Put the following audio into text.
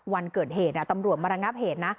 วันเกิดเหตุตำรวจมาระงับเหตุนะ